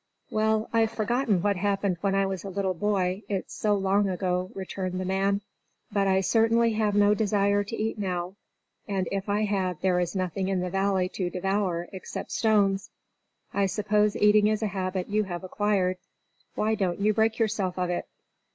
"Well, I've forgotten what happened when I was a little boy, it's so long ago," returned the man. "But I certainly have no desire to eat now, and if I had there is nothing in the Valley to devour except stones. I suppose eating is a habit you have acquired. Why don't you break yourself of it?"